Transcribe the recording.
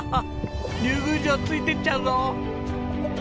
竜宮城ついてっちゃうぞ。